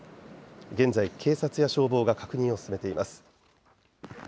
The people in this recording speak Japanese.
現在、警察や消防が確認を進めています。